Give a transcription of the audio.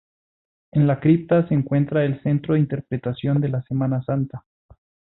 En la cripta se encuentra el Centro de Interpretación de la Semana Santa.